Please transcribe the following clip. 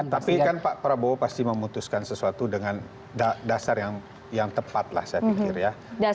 tapi kan pak prabowo pasti memutuskan sesuatu dengan dasar yang tepat lah saya pikir ya